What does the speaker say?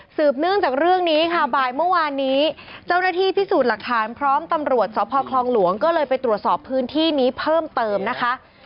เนื่องจากเรื่องนี้ค่ะบ่ายเมื่อวานนี้เจ้าหน้าที่พิสูจน์หลักฐานพร้อมตำรวจสพคลองหลวงก็เลยไปตรวจสอบพื้นที่นี้เพิ่มเติมนะคะ